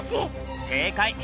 正解！